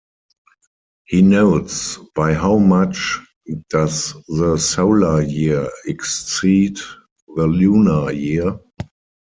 He notes, By how much does the solar year exceed the lunar year?